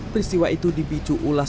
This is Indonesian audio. peristiwa itu dibicu untuk penyelidikan